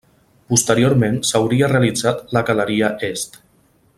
Posteriorment s'hauria realitzat la galeria Est.